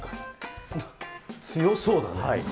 強そうだね。